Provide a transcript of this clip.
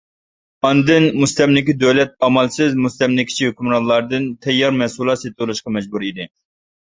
ئاندىن مۇستەملىكە دۆلەت ئامالسىز مۇستەملىكىچى ھۆكۈمرانلاردىن تەييار مەھسۇلات سېتىۋېلىشقا مەجبۇر ئىدى.